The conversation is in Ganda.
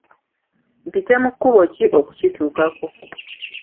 Mpite mu kkubo ki okukituukako?